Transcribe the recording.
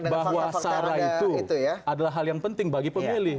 bahwa sarah itu adalah hal yang penting bagi pemilih